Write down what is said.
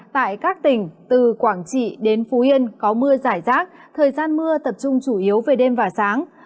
tại các tỉnh từ quảng trị đến phú yên có mưa giải rác thời gian mưa tập trung chủ yếu về đêm và sáng